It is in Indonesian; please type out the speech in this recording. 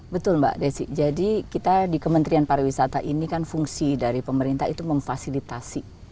betul mbak desi jadi kita di kementerian pariwisata ini kan fungsi dari pemerintah itu memfasilitasi